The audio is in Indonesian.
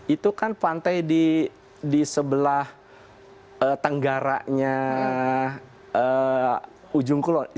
itu kan pantai di sebelah tenggaranya ujung kulon